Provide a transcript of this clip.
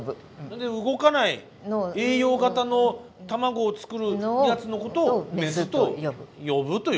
んで動かない栄養型の卵を作るやつのことをメスと呼ぶということ。